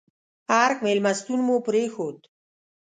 ارګ مېلمستون مو پرېښود.